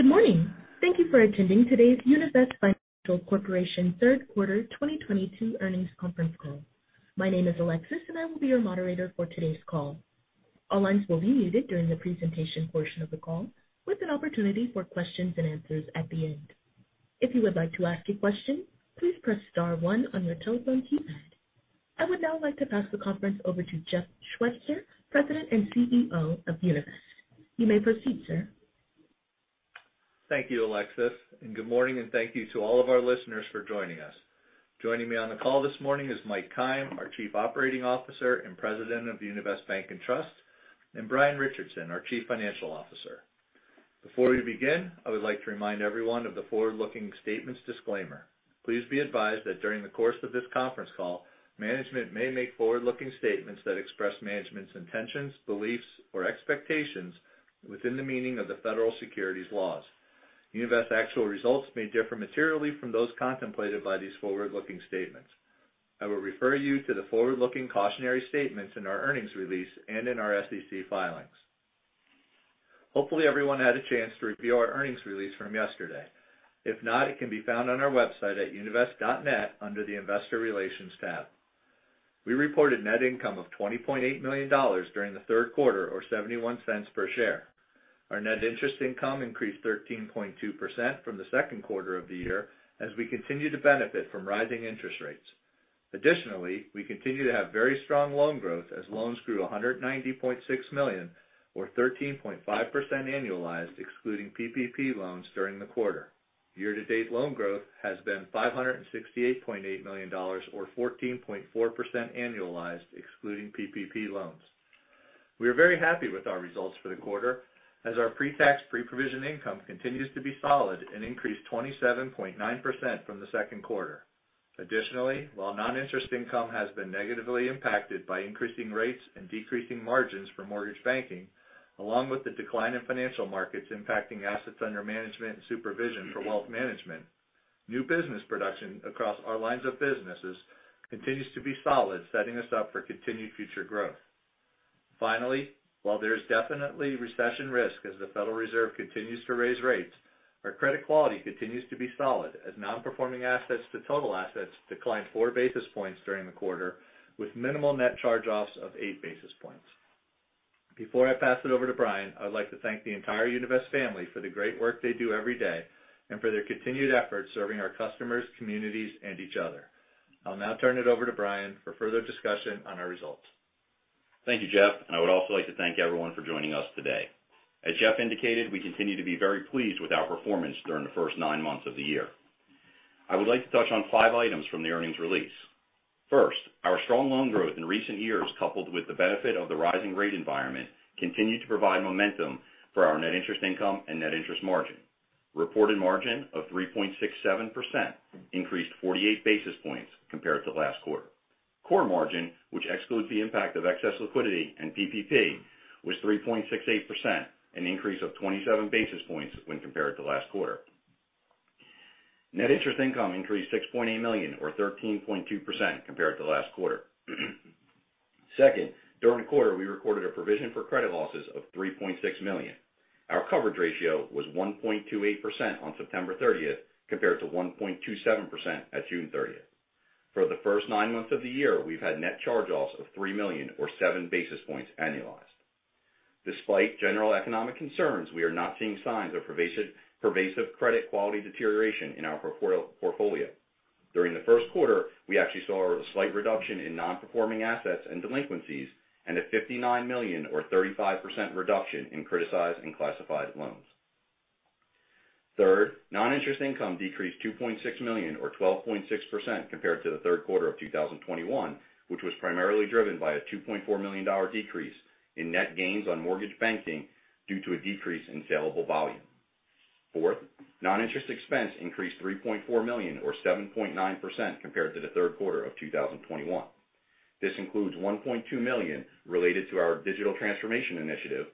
Good morning. Thank you for attending today's Univest Financial Corporation third quarter 2022 earnings conference call. My name is Alexis, and I will be your moderator for today's call. All lines will be muted during the presentation portion of the call, with an opportunity for questions and answers at the end. If you would like to ask a question, please press star one on your telephone keypad. I would now like to pass the conference over to Jeff Schweitzer, President and CEO of Univest. You may proceed, sir. Thank you, Alexis, and good morning and thank you to all of our listeners for joining us. Joining me on the call this morning is Mike Keim, our Chief Operating Officer and President of Univest Bank and Trust, and Brian Richardson, our Chief Financial Officer. Before we begin, I would like to remind everyone of the forward-looking statements disclaimer. Please be advised that during the course of this conference call, management may make forward-looking statements that express management's intentions, beliefs, or expectations within the meaning of the federal securities laws. Univest's actual results may differ materially from those contemplated by these forward-looking statements. I will refer you to the forward-looking cautionary statements in our earnings release and in our SEC filings. Hopefully, everyone had a chance to review our earnings release from yesterday. If not, it can be found on our website at univest.net under the Investor Relations tab. We reported net income of $20.8 million during the third quarter or $0.71 per share. Our net interest income increased 13.2% from the second quarter of the year as we continue to benefit from rising interest rates. Additionally, we continue to have very strong loan growth as loans grew $190.6 million or 13.5% annualized excluding PPP loans during the quarter. Year-to-date loan growth has been $568.8 million or 14.4% annualized excluding PPP loans. We are very happy with our results for the quarter as our pre-tax, pre-provision income continues to be solid and increased 27.9% from the second quarter. Additionally, while non-interest income has been negatively impacted by increasing rates and decreasing margins for mortgage banking, along with the decline in financial markets impacting assets under management and supervision for wealth management. New business production across our lines of businesses continues to be solid, setting us up for continued future growth. Finally, while there is definitely recession risk as the Federal Reserve continues to raise rates, our credit quality continues to be solid as non-performing assets to total assets declined four basis points during the quarter with minimal net charge-offs of eight basis points. Before I pass it over to Brian, I would like to thank the entire Univest family for the great work they do every day and for their continued efforts serving our customers, communities, and each other. I'll now turn it over to Brian for further discussion on our results. Thank you, Jeff, and I would also like to thank everyone for joining us today. As Jeff indicated, we continue to be very pleased with our performance during the first nine months of the year. I would like to touch on five items from the earnings release. First, our strong loan growth in recent years, coupled with the benefit of the rising rate environment, continued to provide momentum for our net interest income and net interest margin. Reported margin of 3.67% increased 48 basis points compared to last quarter. Core margin, which excludes the impact of excess liquidity and PPP, was 3.68%, an increase of 27 basis points when compared to last quarter. Net interest income increased $6.8 million or 13.2% compared to last quarter. Second, during the quarter, we recorded a provision for credit losses of $3.6 million. Our coverage ratio was 1.28% on September 30 compared to 1.27% at June 30. For the first nine months of the year, we've had net charge-offs of $3 million or 7 basis points annualized. Despite general economic concerns, we are not seeing signs of pervasive credit quality deterioration in our portfolio. During the first quarter, we actually saw a slight reduction in non-performing assets and delinquencies and a $59 million or 35% reduction in criticized and classified loans. Third, non-interest income decreased $2.6 million or 12.6% compared to the third quarter of 2021, which was primarily driven by a $2.4 million decrease in net gains on mortgage banking due to a decrease in sellable volume. Fourth, non-interest expense increased $3.4 million or 7.9% compared to the third quarter of 2021. This includes $1.2 million related to our digital transformation initiative,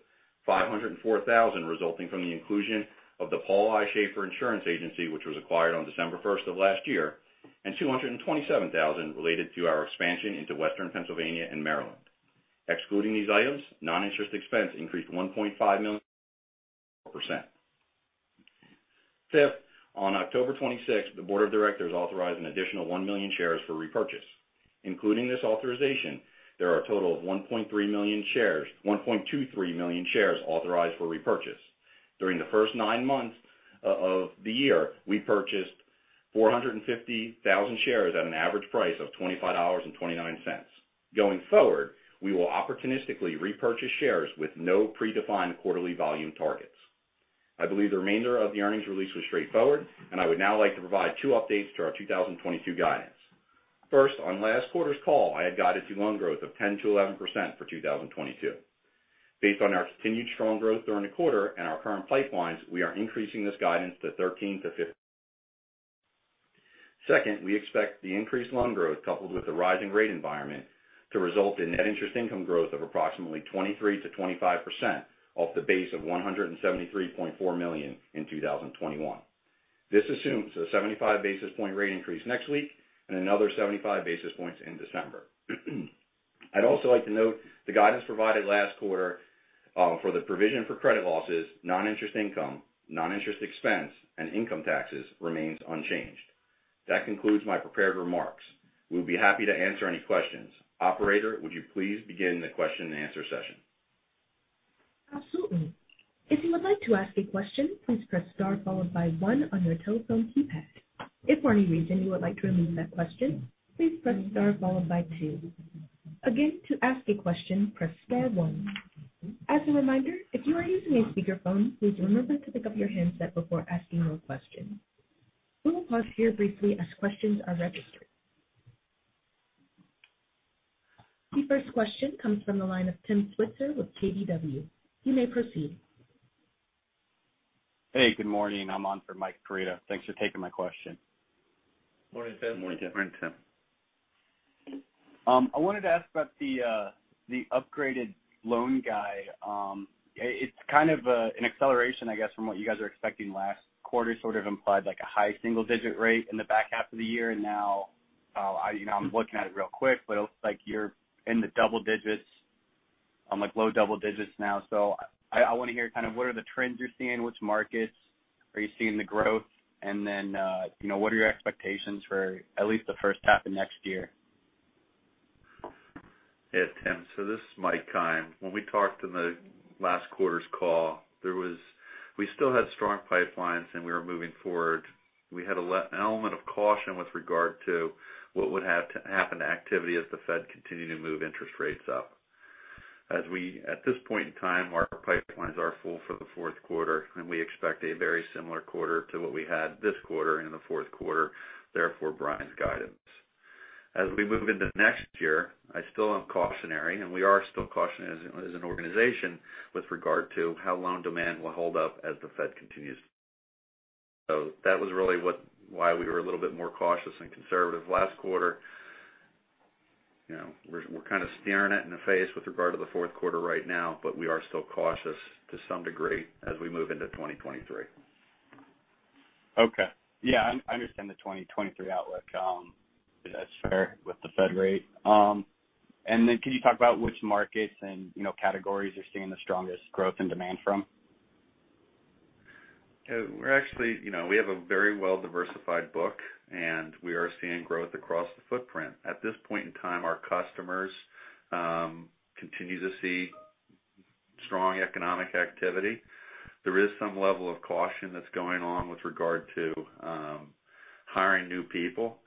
$504,000 resulting from the inclusion of the Paul I. B. Shaffer Insurance Agency, which was acquired on December 1st of last year, and $227,000 related to our expansion into Western Pennsylvania and Maryland. Excluding these items, non-interest expense increased 1.5%. Fifth, on October 26th, the board of directors authorized an additional 1 million shares for repurchase. Including this authorization, there are a total of 1.23 million shares authorized for repurchase. During the first nine months of the year, we purchased 450,000 shares at an average price of $25.29. Going forward, we will opportunistically repurchase shares with no predefined quarterly volume targets. I believe the remainder of the earnings release was straightforward, and I would now like to provide two updates to our 2022 guidance. First, on last quarter's call, I had guided to loan growth of 10%-11% for 2022. Based on our continued strong growth during the quarter and our current pipelines, we are increasing this guidance to 13%-15%. Second, we expect the increased loan growth coupled with the rising rate environment to result in net interest income growth of approximately 23%-25% off the base of $173.4 million in 2021. This assumes a 75 basis point rate increase next week and another 75 basis points in December. I'd also like to note the guidance provided last quarter for the provision for credit losses, non-interest income, non-interest expense, and income taxes remains unchanged. That concludes my prepared remarks. We'll be happy to answer any questions. Operator, would you please begin the question-and-answer session? Absolutely. If you would like to ask a question, please press star followed by one on your telephone keypad. If for any reason you would like to remove that question, please press star followed by two. Again, to ask a question, press star one. As a reminder, if you are using a speakerphone, please remember to pick up your handset before asking your question. We will pause here briefly as questions are registered. The first question comes from the line of Tim Switzer with KBW. You may proceed. Hey, good morning. I'm on for Mike Perito. Thanks for taking my question. Morning, Tim. Morning, Tim. I wanted to ask about the upgraded loan guide. It's kind of an acceleration, I guess, from what you guys are expecting last quarter, sort of implied like a high single digit rate in the back half of the year. Now, you know, I'm looking at it real quick, but it looks like you're in the double digits on like low double digits now. I wanna hear kind of what are the trends you're seeing, which markets are you seeing the growth, and then, you know, what are your expectations for at least the first half of next year? Yeah, Tim. This is Mike Keim. When we talked in the last quarter's call, we still had strong pipelines and we were moving forward. We had an element of caution with regard to what would have to happen to activity as the Fed continued to move interest rates up. At this point in time, our pipelines are full for the fourth quarter, and we expect a very similar quarter to what we had this quarter and in the fourth quarter, therefore Brian's guidance. As we move into next year, I still am cautionary, and we are still cautionary as an organization with regard to how loan demand will hold up as the Fed continues. That was really why we were a little bit more cautious and conservative last quarter. You know, we're kind of staring it in the face with regard to the fourth quarter right now, but we are still cautious to some degree as we move into 2023. Okay. Yeah, I understand the 2023 outlook. That's fair with the Fed rate. Can you talk about which markets and, you know, categories you're seeing the strongest growth and demand from? Yeah. We're actually, you know, we have a very well diversified book, and we are seeing growth across the footprint. At this point in time, our customers continue to see strong economic activity. There is some level of caution that's going on with regard to hiring new people.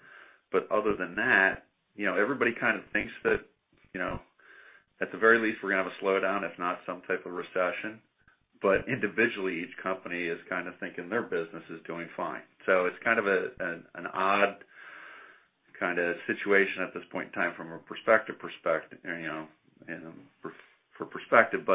Other than that, you know, everybody kind of thinks that, you know, at the very least, we're gonna have a slowdown, if not some type of recession. Individually, each company is kind of thinking their business is doing fine. It's kind of an odd kinda situation at this point in time from a perspective you know, for perspective.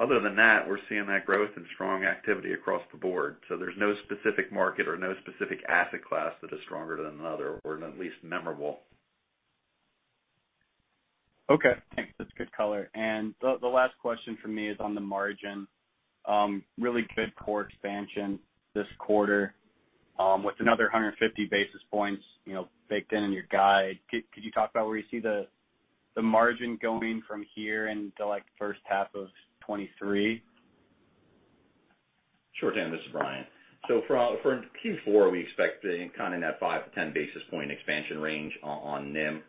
Other than that, we're seeing that growth and strong activity across the board. There's no specific market or no specific asset class that is stronger than another or at least memorable. Okay. Thanks. That's good color. The last question from me is on the margin. Really good core expansion this quarter, with another 150 basis points, you know, baked in your guide. Could you talk about where you see the margin going from here into like the first half of 2023? Sure Tim, this is Brian. For Q4, we expect kind of in that 5-10 basis point expansion range on NIM.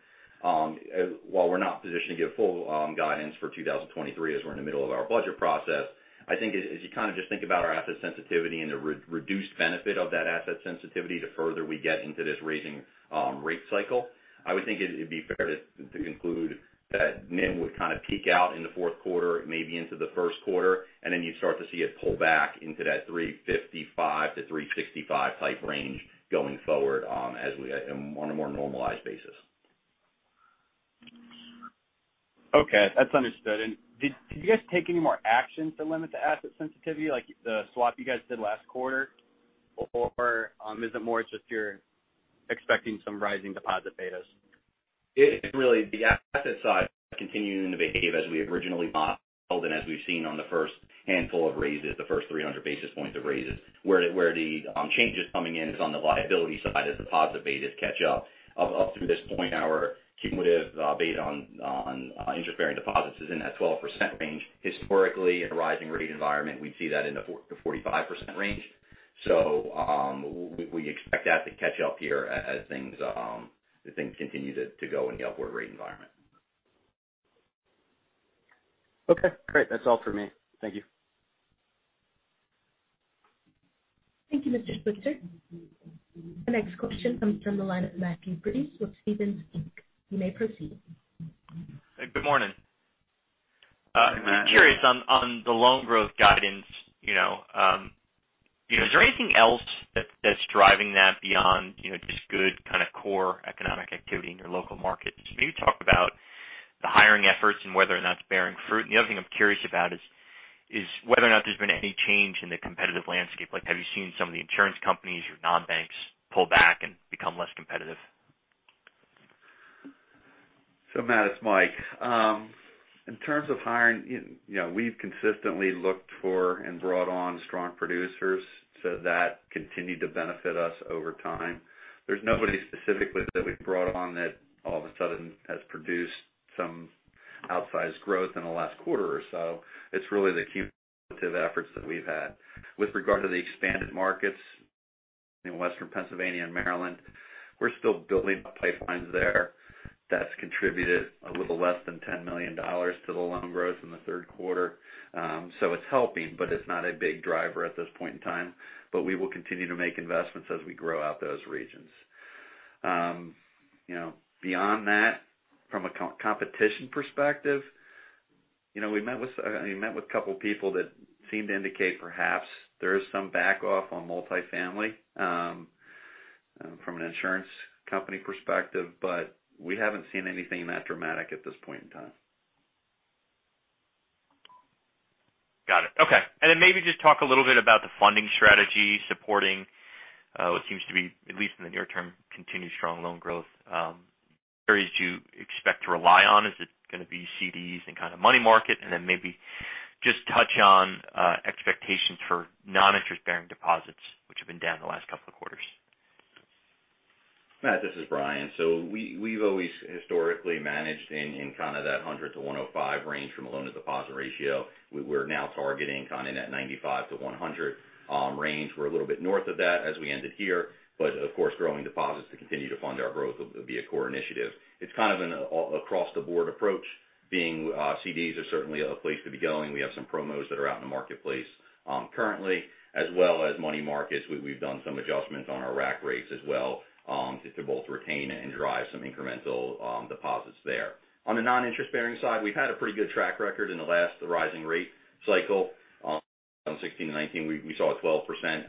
While we're not positioned to give full guidance for 2023 as we're in the middle of our budget process, I think as you kind of just think about our asset sensitivity and the reduced benefit of that asset sensitivity the further we get into this rising rate cycle, I would think it'd be fair to conclude that NIM would kind of peak out in the fourth quarter, maybe into the first quarter, and then you'd start to see it pull back into that 3.55%-3.65% type range going forward in more and more normalized basis. Okay. That's understood. Did you guys take any more action to limit the asset sensitivity like the swap you guys did last quarter? Or, is it more it's just you're expecting some rising deposit betas? It is really the asset side continuing to behave as we originally modeled and as we've seen on the first handful of raises, the first 300 basis points of raises. Where the change is coming in is on the liability side as deposit betas catch up. Up to this point, our cumulative beta on interest-bearing deposits is in that 12% range. Historically, in a rising rate environment, we'd see that in the 45% range. We expect that to catch up here as things continue to go in the upward rate environment. Okay, great. That's all for me. Thank you. Thank you, Mr. Switzer. The next question comes from the line of Matt Breese with Stephens Inc. You may proceed. Hey, good morning. Good morning, Matt. I'm curious on the loan growth guidance, you know, is there anything else that's driving that beyond, you know, just good kind of core economic activity in your local markets? Maybe talk about the hiring efforts and whether or not it's bearing fruit. The other thing I'm curious about is whether or not there's been any change in the competitive landscape, like have you seen some of the insurance companies or non-banks pull back and become less competitive? Matt, it's Mike. In terms of hiring, you know, we've consistently looked for and brought on strong producers, so that continued to benefit us over time. There's nobody specifically that we've brought on that all of a sudden has produced some outsized growth in the last quarter or so. It's really the cumulative efforts that we've had. With regard to the expanded markets in Western Pennsylvania and Maryland, we're still building the pipelines there. That's contributed a little less than $10 million to the loan growth in the third quarter. It's helping, but it's not a big driver at this point in time. We will continue to make investments as we grow out those regions. You know, beyond that, from a competition perspective, you know, we met with a couple people that seemed to indicate perhaps there is some back off on multifamily, from an insurance company perspective, but we haven't seen anything that dramatic at this point in time. Got it. Okay. Maybe just talk a little bit about the funding strategy supporting what seems to be, at least in the near term, continued strong loan growth, areas you expect to rely on. Is it gonna be CDs and kind of money market? Maybe just touch on expectations for non-interest bearing deposits, which have been down the last couple of quarters. Matt, this is Brian. We've always historically managed in kind of that 100-105 range from a loan to deposit ratio. We're now targeting kind of that 95-100 range. We're a little bit north of that as we ended here, but of course, growing deposits to continue to fund our growth will be a core initiative. It's kind of an across-the-board approach, CDs are certainly a place to be going. We have some promos that are out in the marketplace currently, as well as money markets. We've done some adjustments on our rack rates as well, to both retain and drive some incremental deposits there. On the non-interest bearing side, we've had a pretty good track record in the last rising rate cycle. From 2016 to 2019, we saw a 12%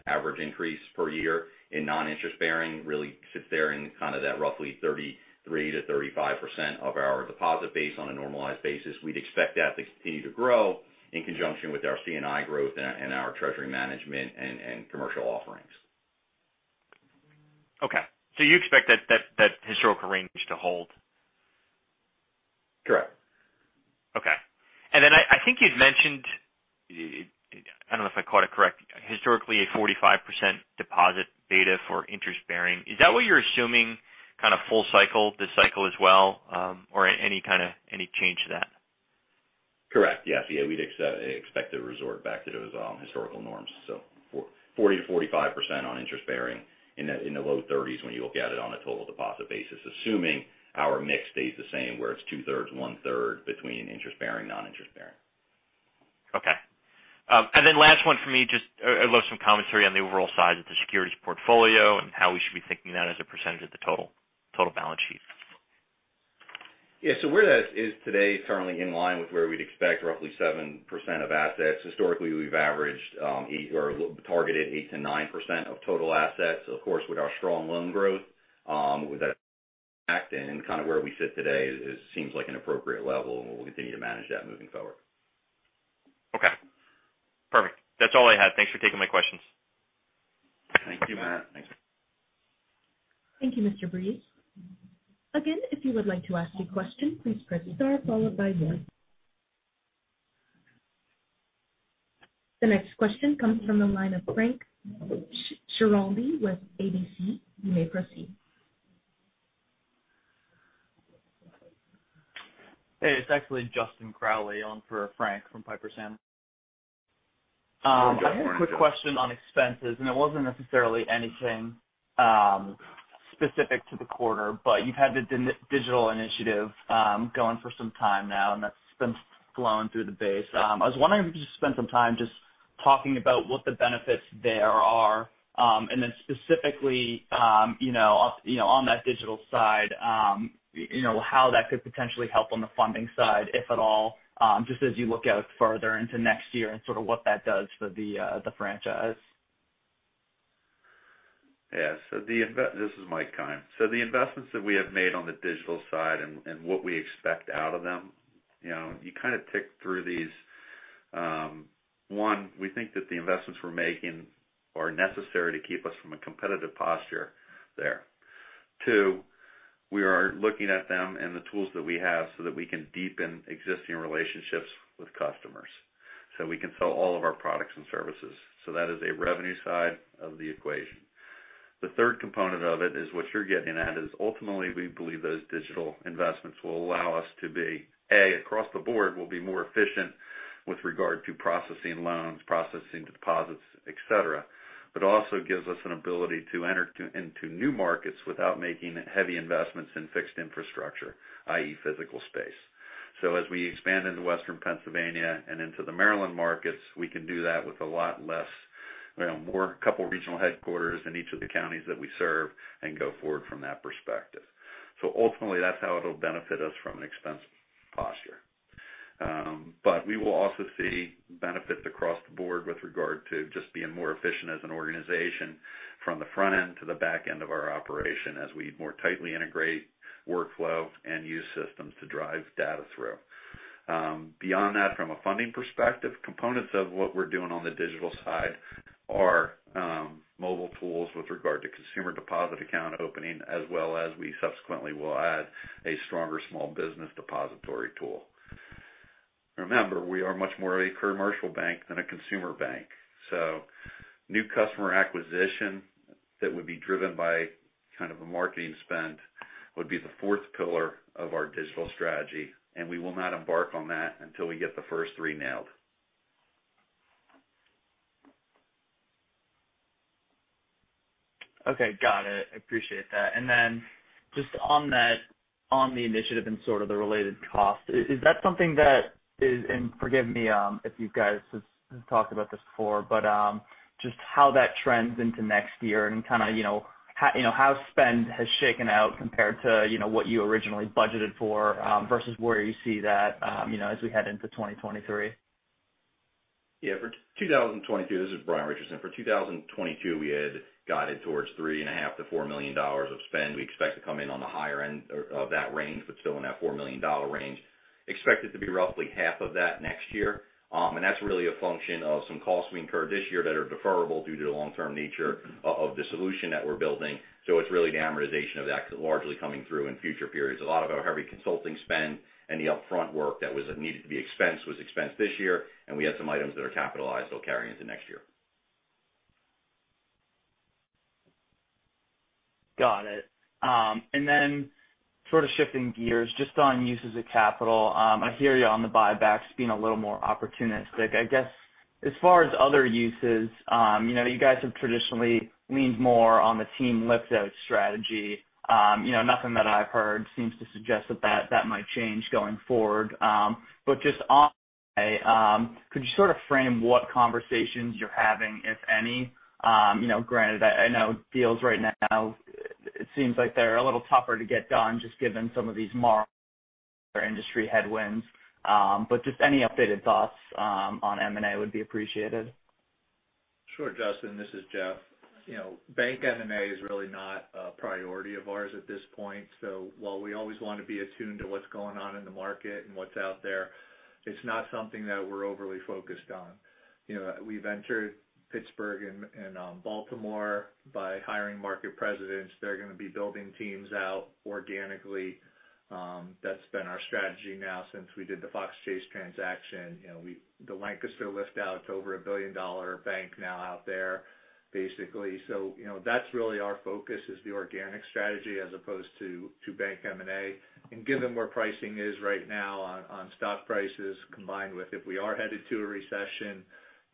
average increase per year in non-interest bearing. It really sits there in kind of that roughly 33%-35% of our deposit base on a normalized basis. We'd expect that to continue to grow in conjunction with our C&I growth and our treasury management and commercial offerings. Okay. You expect that historical range to hold? Correct. Okay. Then I think you'd mentioned, I don't know if I caught it correct, historically, a 45% deposit beta for interest bearing. Is that what you're assuming kind of full cycle this cycle as well, or any kind of change to that? Correct. Yes. Yeah, we'd expect to resort back to those historical norms. 40%-45% on interest bearing in the low 30s when you look at it on a total deposit basis, assuming our mix stays the same, where it's two-thirds and one-third between interest bearing, non-interest bearing. Okay. Last one for me, just, I'd love some commentary on the overall size of the securities portfolio and how we should be thinking that as a percentage of the total balance sheet. Yeah. Where that is today is currently in line with where we'd expect roughly 7% of assets. Historically, we've averaged 8% or targeted 8%-9% of total assets. Of course, with our strong loan growth, with that impact and kind of where we sit today seems like an appropriate level, and we'll continue to manage that moving forward. Okay. Perfect. That's all I had. Thanks for taking my questions. Thank you, Matt. Thanks. Thank you, Mr. Breeze. Again, if you would like to ask a question, please press star followed by one. The next question comes from the line of Frank Schiraldi with Piper Sandler. You may proceed. Hey, it's actually Justin Crowley on for Frank from Piper Sandler. Good morning, Justin. I had a quick question on expenses, and it wasn't necessarily anything specific to the quarter. You've had the digital initiative going for some time now, and that's been flowing through the base. I was wondering if you could just spend some time just talking about what the benefits there are. Then specifically, you know, on that digital side, you know, how that could potentially help on the funding side, if at all, just as you look out further into next year and sort of what that does for the franchise. This is Mike Keim. The investments that we have made on the digital side and what we expect out of them, you know, you kind of tick through these. One, we think that the investments we're making are necessary to keep us from a competitive posture there. Two, we are looking at them and the tools that we have so that we can deepen existing relationships with customers, so we can sell all of our products and services. That is a revenue side of the equation. The third component of it is what you're getting at, is ultimately we believe those digital investments will allow us to be, A, across the board, we'll be more efficient with regard to processing loans, processing deposits, et cetera. Also gives us an ability to enter into new markets without making heavy investments in fixed infrastructure, i.e., physical space. As we expand into western Pennsylvania and into the Maryland markets, we can do that with a lot less, you know, a couple regional headquarters in each of the counties that we serve and go forward from that perspective. Ultimately, that's how it'll benefit us from an expense posture. But we will also see benefits across the board with regard to just being more efficient as an organization from the front end to the back end of our operation as we more tightly integrate workflow and use systems to drive data through. Beyond that, from a funding perspective, components of what we're doing on the digital side are, mobile tools with regard to consumer deposit account opening, as well as we subsequently will add a stronger small business depository tool. Remember, we are much more a commercial bank than a consumer bank. New customer acquisition that would be driven by kind of a marketing spend would be the fourth pillar of our digital strategy, and we will not embark on that until we get the first three nailed. Okay. Got it. I appreciate that. Then just on that, on the initiative and sort of the related cost, is that something that is. Forgive me if you guys have talked about this before, but just how that trends into next year and kind of, you know, how, you know, how spend has shaken out compared to, you know, what you originally budgeted for, versus where you see that, you know, as we head into 2023. Yeah. This is Brian Richardson. For 2022, we had guided towards $3.5 million-$4 million of spend. We expect to come in on the higher end or of that range, but still in that $4 million range. Expect it to be roughly half of that next year. That's really a function of some costs we incurred this year that are deferrable due to the long-term nature of the solution that we're building. It's really the amortization of that largely coming through in future periods. A lot of our heavy consulting spend and the upfront work that was needed to be expensed was expensed this year, and we had some items that are capitalized that'll carry into next year. Got it. Sort of shifting gears, just on uses of capital, I hear you on the buybacks being a little more opportunistic. I guess as far as other uses, you know, you guys have traditionally leaned more on the team lift out strategy. You know, nothing that I've heard seems to suggest that might change going forward. Just on that, could you sort of frame what conversations you're having, if any? You know, granted, I know deals right now it seems like they're a little tougher to get done just given some of these industry headwinds. Just any updated thoughts on M&A would be appreciated. Sure, Justin. This is Jeff. You know, bank M&A is really not a priority of ours at this point. While we always want to be attuned to what's going on in the market and what's out there, it's not something that we're overly focused on. You know, we've entered Pittsburgh and Baltimore by hiring market presidents. They're gonna be building teams out organically. That's been our strategy now since we did the Fox Chase transaction. You know, the Lancaster outpost, it's over a billion-dollar bank now out there, basically. You know, that's really our focus is the organic strategy as opposed to bank M&A. Given where pricing is right now on stock prices combined with if we are headed to a recession,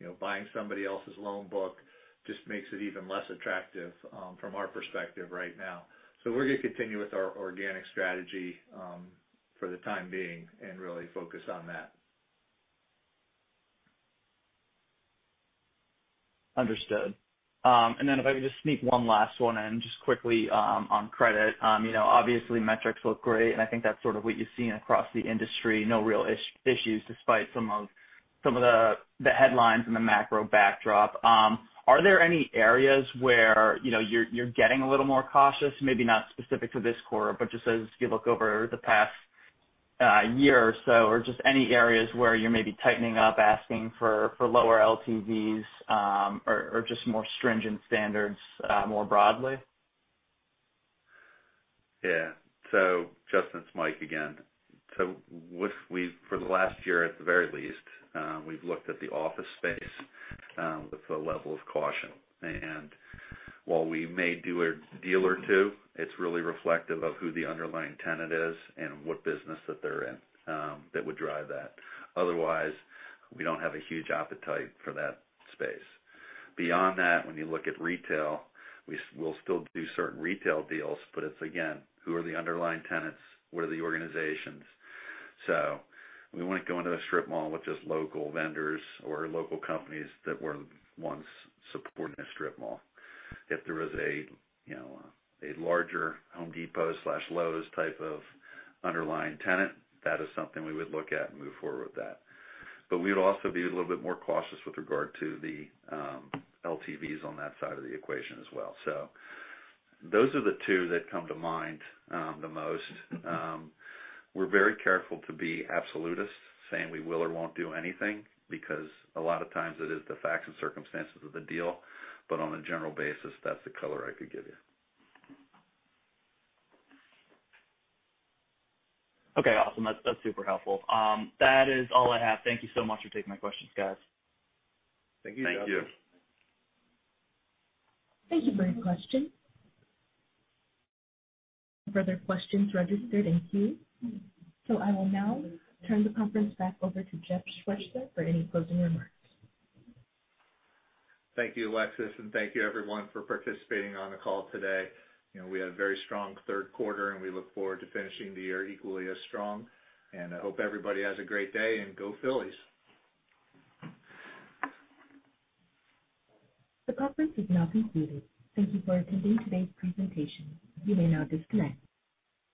you know, buying somebody else's loan book just makes it even less attractive from our perspective right now. We're gonna continue with our organic strategy for the time being and really focus on that. Understood. If I could just sneak one last one in just quickly, on credit. You know, obviously metrics look great, and I think that's sort of what you're seeing across the industry. No real issues despite some of the headlines and the macro backdrop. Are there any areas where, you know, you're getting a little more cautious, maybe not specific to this quarter, but just as you look over the past year or so, or just any areas where you're maybe tightening up, asking for lower LTVs, or just more stringent standards more broadly? Yeah. Justin, it's Mike again. We've, for the last year at the very least, looked at the office space with a level of caution. While we may do a deal or two, it's really reflective of who the underlying tenant is and what business that they're in, that would drive that. Otherwise, we don't have a huge appetite for that space. Beyond that, when you look at retail, we'll still do certain retail deals, but it's again, who are the underlying tenants? What are the organizations? We wouldn't go into a strip mall with just local vendors or local companies that were once supporting a strip mall. If there was a, you know, a larger Home Depot/Lowe's type of underlying tenant, that is something we would look at and move forward with that. We'd also be a little bit more cautious with regard to the LTVs on that side of the equation as well. Those are the two that come to mind the most. We're very careful to be absolutists saying we will or won't do anything because a lot of times it is the facts and circumstances of the deal. On a general basis, that's the color I could give you. Okay, awesome. That's super helpful. That is all I have. Thank you so much for taking my questions, guys. Thank you. Thank you. Thank you for your question. No further questions registered in queue. I will now turn the conference back over to Jeff Schweitzer for any closing remarks. Thank you, Alexis, and thank you everyone for participating on the call today. You know, we had a very strong third quarter, and we look forward to finishing the year equally as strong. I hope everybody has a great day, and go Phillies. The conference is now concluded. Thank you for attending today's presentation. You may now disconnect.